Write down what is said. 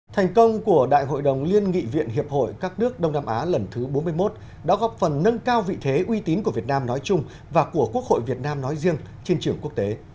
thành công của đại hội đồng liên nghị viện hiệp hội các nước đông nam á lần thứ bốn mươi một đã góp phần nâng cao vị thế uy tín của việt nam nói chung và của quốc hội việt nam nói riêng trên trường quốc tế